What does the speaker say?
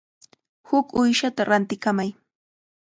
Huk uyshata rantikamay.